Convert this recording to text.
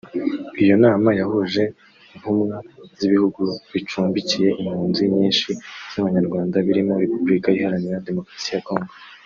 Iyo nama yahuje ntumwa z’ibihugu bicumbikiye impunzi nyinshi z’Abanyarwanda birimo Repubulika Iharanira Demokarasi ya Congo